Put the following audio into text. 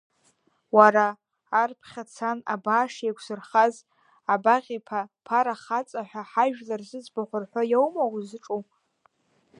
Уара, арԥхьацан абааш еиқәзырхаз Абаӷь-иԥа Ԥара хаҵа ҳәа жәлар зыӡбахә рҳәо иоума узҿу?